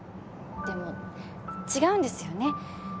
でも違うんですよね。